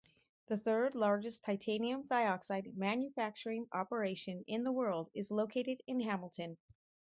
The third largest titanium dioxide manufacturing operation in the world is located in Hamilton.